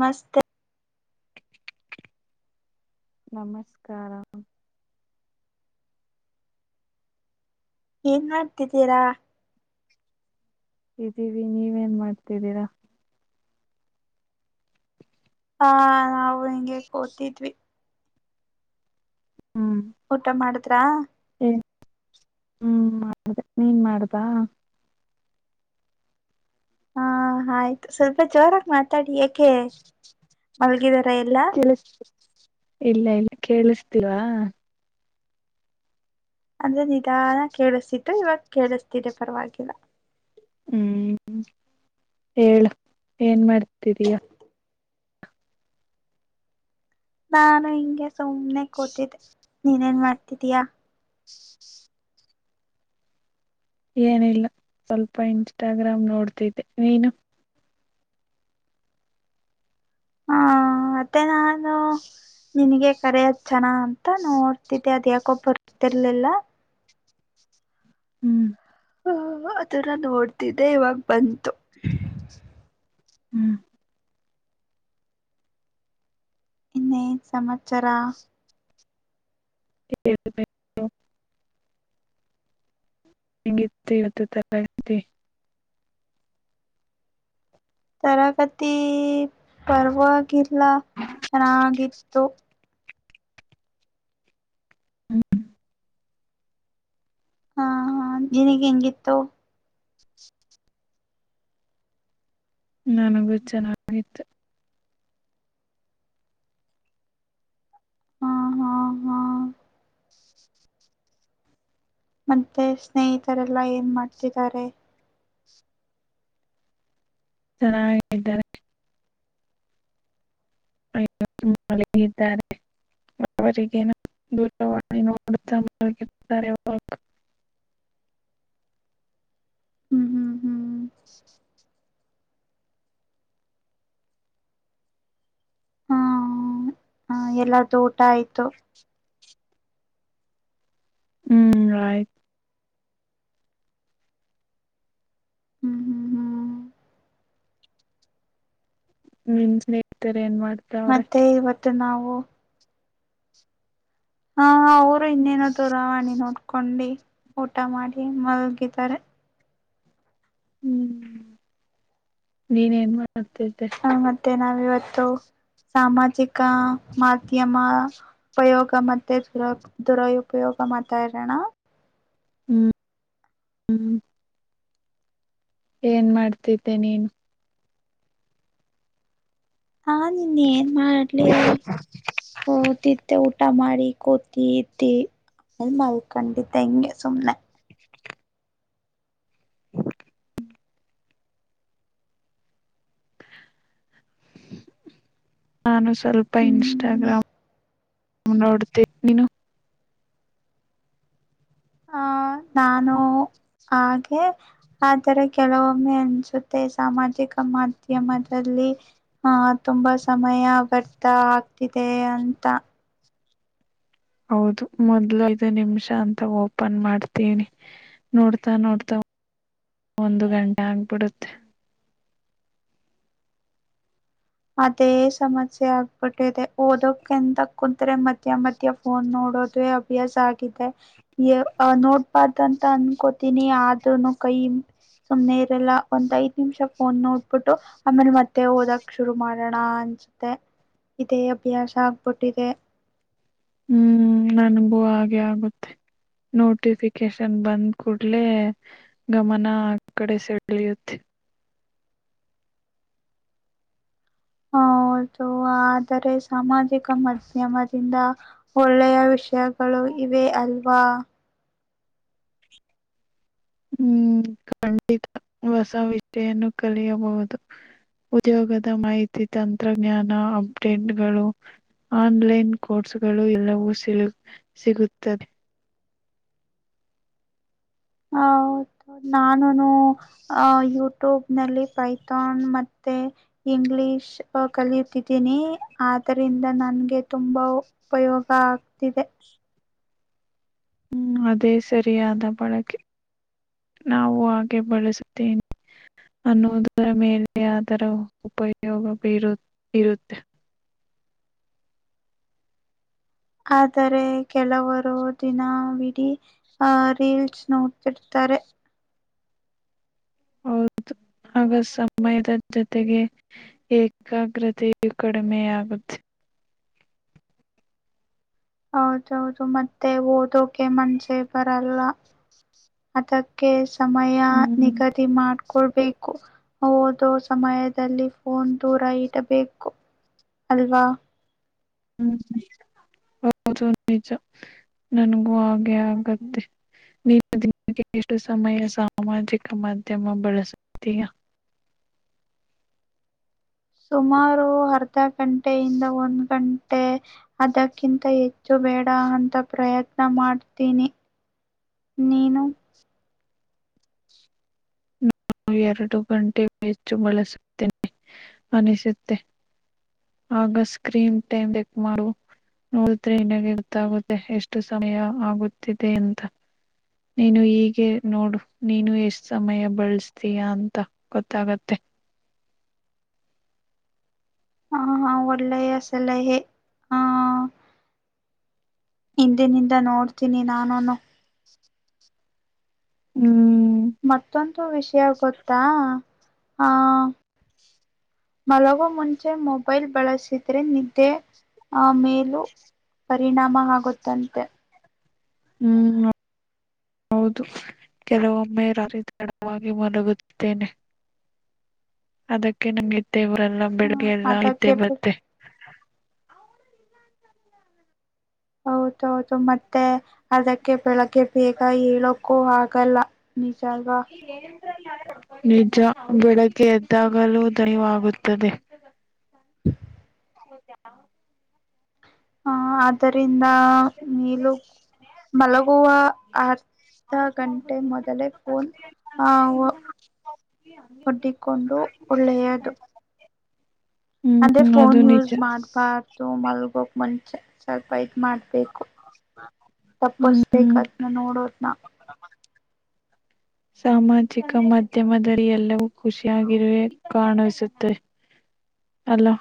ಮಸ್ತ ನಮಸ್ಕಾರ ಏನ್ ಮಾಡ್ತಿದ್ದೀರಾ ಇದೀವಿ ನೀವೇನ್ ಮಾಡ್ತಿದ್ದೀರಾ ಹಾ ನಾವು ಹಿಂಗೆ ಕೋತಿದ್ವಿ ಊಟ ಮಾಡುದ್ರಾ ಏ ಹ್ಮ ಮಾಡ್ದ ನೀನ್ ಮಾಡ್ದಾ ಹಾ ಆಯ್ತು ಸ್ವಲ್ಪ ಜೋರಾಗಿ ಮಾತಾಡಿ ಯಾಕೆ ಮಲಗಿದ ಇಲ್ಲ ಇಲ್ಲ ಕೇಳಿಸ್ತಿಲ್ವಾ ಅಂದ್ರೆ ನಿಧಾನ ಕೇಳಿಸ್ತಿದ್ದು ಇವಾಗ ಕೇಳಿಸ್ತಿದೆ ಪರವಾಗಿಲ್ಲ ಹ್ಮ್ ಹೇಳ ಏನ್ ಮಾಡ್ತಇದಿಯ್ ನಾನು ಹಿಂಗೆ ಸುಮ್ನೆ ಕೂತಿದ್ದೆ ನೀನ್ನ್ ಮಾಡ್ತಿದ್ದೀಯಾ ಏನಿಲ್ಲ ಸ್ವಲ್ಪ ಇನ್ಸ್ಟಾಗ್ರಾಮ್ ನೋಡ್ತಿದ್ದೆ ನೀನು ಹಾ ಮತ್ತೆ ನಾನು ನಿನಗೆ ಕರ ಅದ್ ಜನ ಅಂತ ನೋಡ್ತಿದ್ದೆ ಅದ್ ಯಾಕೊಬ್ ಬರ್ತಿರ್ಲಿಲ್ಲ ಹ್ಮ್ ಹ ಅದನ್ನ ನೋಡ್ತಿದ್ದೆ ಇವಾಗ ಬಂತು ಹ್ಮ್ ಇನ್ನೇ ಸಮಮಚರ ಹೇಳ್ಬೇಕು, ಹೆಂಗಿತಿ ಹೊತ್ತು ತರ ಇತಿ ತರಗತಿ ಪರ್ವ ಗ ಎಲ್ಲ ಚೆನ್ನಾಗಿತ್ತು ಹ್ಮ್ ಹಾ ಹಾ ಜಿನಗೆ ಎಂಗಿತ್ತೋ ನನಗೂ ಚೆನ್ನಾಗಿತ್ತು ಹ ಹಾ ಹಾ ಮತ್ತೆ ಸ್ನೇಹಿತರೆಲ್ಲಾ ಏನ್ ಮಾಡ್ತಿದ್ದಾರೆ ಚೆನ್ನಾಗಿದ್ದಾರೆ ಅಯಿದ್ದಾರೆ ಅವಗ ದೂರವಾಣಿ ನೋಡುತ್ತಾ ಹ್ಮ್ ಹ್ಮ್ ಹ್ಮ್ [inaudible] ಹಾ ಹ ಎಲ್ಲ್ದು ಊಟ ಆಯ್ತು ಹ್ಮ್ ರೈಟ್ ಹ್ಮ್ ಹ್ಮ್ ಹ್ಮ್ ನಿನ್ ಸ್ನೇಹಿತರ ಏನ್ ಮಾಡ್ ಮತ್ತೆ ಇವತ್ತು ನಾವು ಹಾ ಅವರು ಇನ್ನೇನಾದೂ ರವಾಣೆ ನೋಡ್ಕೊಂಡಿ ಊಟ ಮಾಡಿ ಮಲಗಿದ್ದಾರೆ ಹ್ಮ್ ನೀನೇನು ಮಾಡ್ತಿದ್ದೆ ನ ವಿವತ್ತು ಸಾಮಾಜಿಕ ಮಾಧ್ಯಮ ಉಪಯೋಗ ಮತ್ತೆ ದುರ ದುರಪಯೋಗ ಮಾತಾ ಇಡೋಣ ಹ್ಮ್ ಹ್ಮ್ ಏನ್ ಮಾಡ್ತಿದ್ದೆ ನೀನು ಹಾ ನಿನ ಏನ ಮಾಡ್ಲಿ ಕೂತಿದ್ದೆ ಉಟ್ಟ ಊಟ ಮಾಡಿ ಕೂತ ಇದ್ದೇ ಮಲ್ಕಂಡತ್ತು ಹೆಂಗೆ ಸುಮ್ನೆ ನಾನು ಸ್ವಲ್ಪ ಹ್ಮ್ ಇನ್ಸ್ಟಾಗ್ರಾಮ್ ನೋಡ ತಿ ನೀನು ಆ ನಾನು ಹಾಗೆ ಆದರೆ ಕೆಲವೊಮ್ಮೆ ಅನ್ಸುತ್ತೆ ಸಾಮಾಜಿಕ ಮಾಧ್ಯ ಮಾಧ್ಯ್ಯಮದಲ್ಲಿ ಹಹ ತುಂಬಾ ಸಮಯ ವ್ಯರ್ಥ ಆಗ್ತಿದೆ ಅಂತ ಹೌದು ಮೊದ್ಲು ಐದು ನಿಮಿಷ ಅಂತ ಓಪನ್ ಮಾಡ್ತೀನಿ ನೋಡ್ತಾ ನೋಡ್ತಾ ಹ ಒಂದು ಗಂಟೆ ಆಗ್ಬಿಡುತ್ತೆ ಅದೇ ಸಮಸ್ಯೆ ಆಗ್ಬಿಟ್ಟಿದೆ ಓದೋಕಂತ ಕು ಮಧ್ಯ ಮದ್ಯ ಫೋನ ನೋಡೋದು ಅಭ್ಯಾಸ ಆಗಿದೆ ನೋಡ್ಬಾರ್ದ ಅಂತ ಅನ್ಕೋತೀನಿ ಆದ್ರೂನು ಕೈ ಸುಮ್ನೆ ಇರಲ್ಲ ಒಂದ್ ಐದ ನಿಮಿಷ ಫೋನ್ ನೋಡ್ಬಿಟ್ಟು ಆಮೇಲೆ ಮತ್ತೆ ಓದಕ್ ಶುರು ಮಾಡೋಣ ಅನ್ಸುತ್ತೆ ಇದೇ ಅಭ್ಯಾಸ ಆಗ್ಬಿಟ್ಟಿದೆ ಹ್ಮ್ ನನಗೂ ಹಾಗೆ ಆಗುತ್ತೆ ನೋಟಿಫಿಕೇಶನ್ ಬಂದ ಕೂಡ್ಲೆ ಗಮನ ಕಡೆ ಸೆಳಿಯುತ್ತೆ ಹೌದು ಆದರೆ ಸಾಮಾಜಿಕ ಮಾಧ್ಯಮದಿಂದ ಒಳ್ಳೆಯ ವಿಷಯಗಳು ಇವೆ ಅಲ್ವಾ [inaudible] ಖಂಡಿತ ಹೊಸ ವಿಷಯನ್ನು ಕಲಿಯಬಹುದು ಉದ್ಯೋಗದ ಮಾಹಿತಿ ತಂತ್ರಜ್ಞಾನ ಅಪ್ಡೇಟ್ಗಳು ಆನ್ಲೈನ್ ಕೋರ್ಸ್ಗಳು ಎಲ್ಲವೂ ಸಿಲು ಸಿಗುತ್ತದೆ ಹೌದು ನಾನು ಆ ಇ ಟ್ಯೂಬ ನಲ್ಲಿ ಪೈಥಾನ್ ಮತ್ತೆ ಇಂಗ್ಲಿಷ್ ಕಲಿಯುತ್ತಿದ್ದೀನಿ ಆದದರಿಂದ ನನಗೆ ತುಂಬ ಉಪಯೋಗ ಆಗ್ತಿದೆ ಹ್ಮ್ ಅದೇ ಸರಿಯಾದ ಬಳಕೆ ನಾವು ಹಾಗೆ ಬಳಸುತ್ತೇನೆ ಅನ್ನುವುದರ ಮೇಲೆ ಅದರ ಉಪಯೋಗ ಬರು ಇರುತ್ತೆ ಆದರೆ ಕೆಲವರು ದಿನ ಬಿಡೀ ಆಹ ರೀಲ್ಸ್ ನೋಡ್ತಿರ್ತಾರೆ ಬರೆ ಹೌದು ಆಗ ಸಮಯದ ಜೊತೆಗೆ ಏಕಾಗ್ರತೆಯು ಕಡಿಮೆಯಾಗುತ್ತೆ [inaudible] ಹೌದೌದು ಮತ್ತೆ ಓದೋಕೆ ಮನ್ಸೆ ಬರಲ್ಲ ಅದಕ್ಕೆ ಸಮಯ ಹ್ಮ್ ನಿಗದಿ ಮಾಡ ಕೊಡ್ಬೇಕು ಓದೋ ಸಮಯದಲ್ಲಿ ಫೋನ ದೂರ ಇಡಬೇಕು ಅಲ್ವಾ ಹ್ಮ್ ಹ ಹೌದು ನಿಜ ನನಗು ಹಾಗೆ ಆಗತ್ತೆ ನೀನ್ನ ದಿನಕ್ಕೆ ಎಷ್ಟು ಸಮಯ ಸಾಮಾಜಿಕ ಮಾಧ್ಯಮ ಬಳಸುತ್ತೀಯಾ [unintelligible] ಸುಮಾರು ಅರ್ಧ ಗಂಟೆಯಿಂದ ಒಂದ್ ಗಂಟೆ ಅದಕ್ಕಿಂತ ಹೆಚ್ಚು ಬೇಡ ಅಂತ ಪ್ರಯತ್ನ ಮಾಡ್ತೀನಿ ನೀನು ನಾನು ಎರಡು ಗಂಟೊ ಹೆಚ್ಚು ಬಳಸುತ್ತೇನೆ ಅನಿಸುತ್ತೆ ಆಗ ಸ್ಕ್ರೀನ್ ಟೈಮ್ ಚೆಕ್ ಮಾಡು ನೋಡಿದ್ರೆ ನಿಿನಗೆ ಗೊತ್ತಾಗುತ್ತೆ ಎಷ್ಟು ಸಮಯ ಆಗುತ್ತಿದೆ ಅಂತ [inaudible] ನೀನು ಹೀಗೆ ನೋಡು ನೀನು ಎಷ್ಟ್ ಸಮಯ ಬಳಸ್ತ ೀಯಾ [unintelligible] ಅಂತ ಗೊತ್ತಾಗತ್ತೆ ಹಾ ಹಾ ಒಳ್ಳೆಯ ಸಲಹೆ ಹ ಹ ಹಿಂದಿನಿಂದ ನೋಡ್ತೀನಿ ನಾನನು ಹ್ಮ್ ಮತ್ತೊಂದು ವಿಷಯ ಗೊತ್ತಾ ಆ ಮಲಗೋ ಮುಂಚೆ ಮೊಬೈಲ್ ಬಳಸಿದ್ರೆ ನಿದ್ದೆ ಆ ಮೇಲೂ ಪರಿಣಾಮ ಆಗುತ್ತಂತೆ ಹ್ಮ್ ಹೌದು ಕೆಲವೊಮ್ಮೆ ರರಿತಡವಾಗಿ [unintelligible] ಮಲಗುತ್ತೇನೆ ಅದಕ್ಕೆ ನಂಗಿದ್ದೆ ಇವರೆಲ್ಲ ಹ್ಮ್, ಬೆಡ್ಗೆ ಎಲ್ಲ ಇದ್ದೆ ಅದಕ್ಕೆ ಬೆಳ- ಬತ್ತೆ ಹೌದೌದು ಮತ್ತೆ ಅದಕ್ಕೆ ಬೆಳಗ್ಗೆ ಬೇಗ ಹೇಳಏಳೋ ಕಹಾಗಲ್ಲ ನಿಜವಾ ನಿಜ ಬೆಳಗ್ಕಗೆ ಎದ್ದಾಗಲೂ ದಯವಾಗುತ್ತದೆ [inaudible] ಹ್ಮ ದ [unintelligible] ಅ ಆದ್ದರಿಂದ ಮೇಲು ಮಲಗುವ ಆ ಹ ಗಂಟೆ ಮೊದಲೇ ಫೋನ್ [inaudible] ಒಡ್ಡಿಕೊಂಡು ಒಳ್ಳೆಯದು ಅಂದ್ರೆ ಹ್ಮ್ ಫೋನ್ ಅದು ನಿಜ ಯೂಸ್ ಮಾಡ್ಬಾರ್ದು ಮಲ್ಗೋಕ್ ಮುಂಚೆ ಸ್ವಲ್ಪ ಇದ ಮಾಡ್ಬೇಕು ತಪ್ಪಸ್ಬೇಕ ಹ್ಮ್ ಅದ್ನ್ನ ನೋಡೋದನ [unintelligible] ಸಾಮಾಜಿಕ ಮಾಧ್ಯಮದಲ್ಲಿ ಎಲ್ಲವೂ ಖುಷಿಯಾಗಿರುವ ಕಾಣಿಸುತ್ತುತ್ತದೆ ಅಲೋ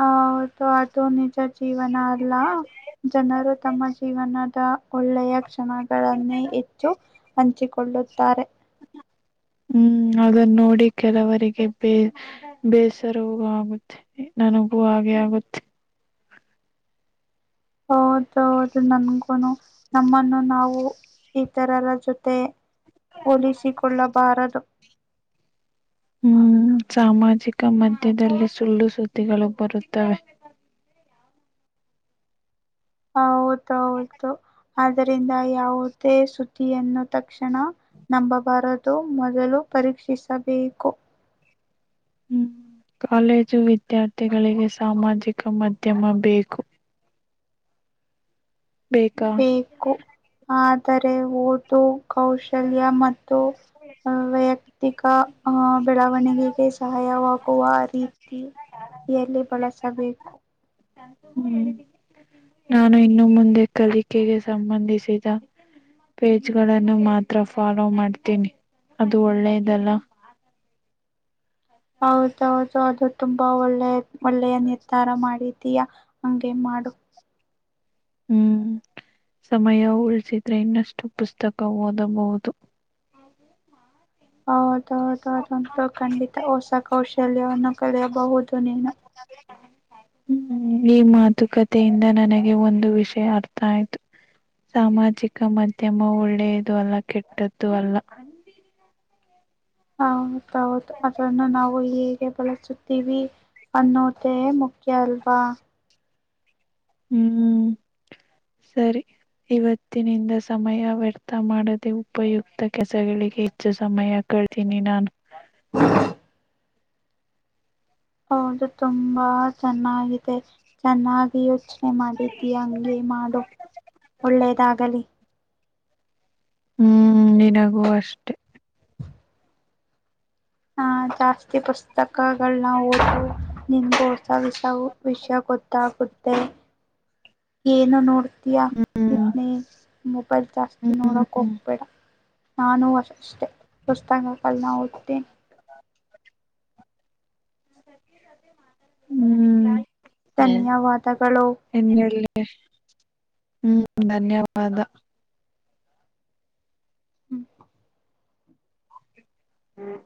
ಹ ಅದು ನಿಜ ಜೀವನ ಅಲ್ಲ ಜನರು ತಮ್ಮ ಜೀವನದ ಒಳ್ಳೆಯ ಣಗಳನ್ನೇ ಹೆಚ್ಚು ಹಂಚಿಕೊಳ್ಳುತ್ತಾರೆ [unintelligible] ಹ್ಮ್ ಅದನ್ನ ನೋಡಿ ಕೆಲವರಿಗೆ ಬೇ ಬೇಸರವ ಆಗುತ್ತೆನೆ ನಾನ ಹು ಹಾಗೆ ಆಗುತ್ತೆ ಹೌದೌದು ನನ್ಗೂನು ನಮ್ಮನ್ನು ನಾವು ಇತರರ ಜೊತೆ ಹೋಲಿಸಿಕೊಳ್ಳಬಾರದು ಹ್ಮ್ ಸಾಮಾಜಿಕ ಮಧ್ಯದಲ್ಲಿ ಸುಳ್ಳು ಸುದ್ದಿಗಳು ಬರುತ್ತವೆ [unintelligible] ಹೌದೌದು ಆದರಿಂದ ಯಾವುದೇ ಸುದ್ದಿಯನ್ನು ತಕ್ಷಣ ನಂಬಬಾರದು ಮೊದಲು ಪರೀಕ್ಷಿಸಬೇಕು ಹ್ಮ್ [unintelligible] ಕಾಲೇಜು ವಿದ್ಯಾರ್ಥಿಗಳಿಗೆ ಸಾಮಾಜಿಕ ಮಾಧ್ಯಮ ಬೇಕು ಬೇಕಾ ಬೇಕು ಆದರೆ ಓದು ಕೌಶಲ್ಯ ಮತ್ತು ವೈಯಕ್ತಿಕ ಆಹ ಬೆಳವಣಿಗೆಗೆ ಸಹಾಯವಾಗುವ ರೀತಿ ಎಲ್ಲಿ ಬಳಸಬೇಕು ಹ್ಮ್ ನಾನು ಇನ್ನು ಮುಂದೆ ಕಲಿಕೆಗೆ ಸಂಬಂಧಿಸಿದ ಪೇಜ್ಗಳನ್ನು ಮಾತ್ರ ಹತ್ರ ಫಾಲೋ ಮಾಡ್ತೀನಿ ಅದು ಒಳ್ಳೆದಲ್ಲ ಹೌದೌದು ಅದು ತುಂಬಾ ಒಳ್ಳೆ ಒಳ್ಳೆಯ ನಿರ್ಧಾರ ಮಾಡಿದ್ದೀಯಾ ಹಗೆ ಮಾಡಡು ಹ್ಮ್ ಸಮಯ ಉಳಿಸಿದ್ರೆ ಇನ್ನಷ್ಟು ಪುಸ್ತಕ ಓದಬಹುದು ಹಾ ಅ ಅ ಖಂಡಿತ ಹೊಸ ಕೌಶಲ್ಯವನ್ನು ಕಲಿಯಬಹುದು ನೀನು [unintelligible] [inaudible] ಹ್ಮ ಈ ಮಾತುಕತೆಯಿಂದ ನನಗೆ ಒಂದು ವಿಷಯ ಅರ್ಥ ಆಯ್ತು ಸಾಮಾಜಿಕ ಮಾಧ್ಯಮ ಒಳ್ಳೆಯದು ಅಲ್ಲ ಕೆಟ್ಟದ್ದು ಅಲ್ಲ ಹೌದೌದು ಅದ್ರನ್ನ ನಾವು ಹೇಗೆ ಬಳಸುತ್ತ ಟಿವಿವ ಅನ್ನೋದೇ ಮುಖ್ಯ ಅಲ್ವಾ ಹ್ಮ್ ಸರಿ ಇವತ್ತಿನಿಂದ ಸಮಯ ವ್ಯರ್ಥ ಮಾಡದೆ ಉಪಯುಕ್ತ ಕೆಸಗಳಿಗೆ ಹೆಚ್ಚು ಸಮಯ ಕಳ್ತೀನಿ ನಾನ್ ಹಾ ಹೌದು ತುಂಬಾ ಚೆನ್ನಾಗಿದೆ ಚೆನ್ನಾಗಿ ಯಚನೆ ಮಾಡಿದ್ದೀ ಹಂಗಗೆ ಮಾಡು ಒಳ್ಳೇದಾಗಲಿ ಹ್ಮ್ ನಿನಗೂ ಅಷ್ಟೆ ಹಾ ಜಾಸ್ತಿ ಪುಸ್ತಕಗಳನ್ನ ಓದ ನಿಮಗೂ ಹೊಸ ವಿಷ ವಿಷಯ ಗೊತ್ತಾಗುತ್ತೆ ಹ ಏನು ನೋಡ್ ಇದಯಾ ಹ್ಮ್ ಇದನ ಮೊಬೈಲ್ ಜಾಸ್ತಿ ಹ್ಮ್ ನೋಡೋಕ್ಕೆ ಹೋಗ್ಬೇಡ ನಾನು ಅಷ್ಟೆ ಹೊಸ್ತಕಲ್ ನ ಓದ್ತೆ [unintelligible] [inaudible] ಹ್ಮ್ ಧನ್ಯವಾದಗಳು ಎನ್ನೆಳ್ಳೆ. ಹ್ಮ್ ಧನ್ಯವಾದ ಹ್ಮ್ ಹ್ಮ